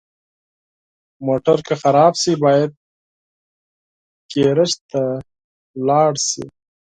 موټر که خراب شي، باید ګراج ته ولاړ شي.